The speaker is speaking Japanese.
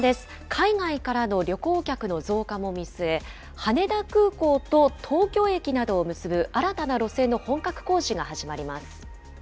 海外からの旅行客の増加も見据え、羽田空港と東京駅などを結ぶ新たな路線の本格工事が始まります。